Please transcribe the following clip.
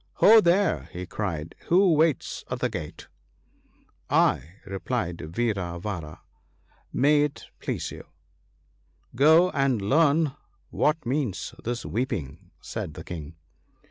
* Ho ! there,' he cried, who waits at the gate ?' 'I,' replied Vira vara, ' may it please you.' 'Go and learn what means this weeping,' said the King.